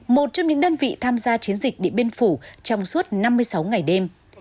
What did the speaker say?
một trong những đơn vị tham gia chiến dịch điện biên phủ trong suốt năm mươi sáu ngày đêm